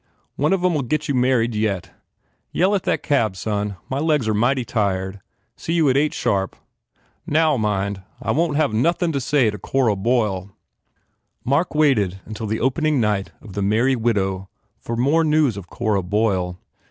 One of em ll get you married, yet. Yell at that cab, son. My legs are mighty tired. See you at eight sharp. Now, mind, I won t have nothin to say to Cora Boyle." Mark waited until the opening night of "The Merry Widow" for more news of Cora Boyle.